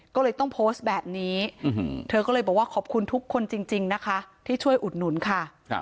ก็เลยต้องโพสต์แบบนี้เธอก็เลยบอกว่าขอบคุณทุกคนจริงนะคะที่ช่วยอุดหนุนค่ะ